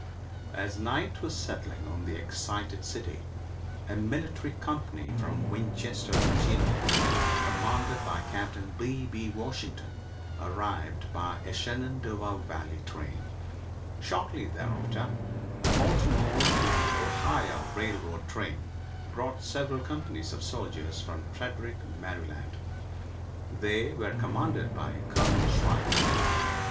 As night was settling on the excited city a military company from Winchester, Virginia, commanded by Captain B. B. Washington, arrived by a Shenandoah Valley train. Shortly thereafter a Baltimore and Ohio railroad train brought several companies of soldiers from Frederick, Maryland. They were commanded by Colonel Shriver.